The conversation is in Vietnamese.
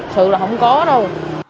thực là không có đâu